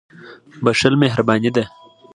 • بښل مهرباني ده.